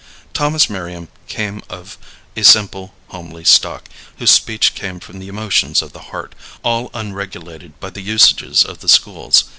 Thomas Merriam came of a simple homely stock, whose speech came from the emotions of the heart, all unregulated by the usages of the schools.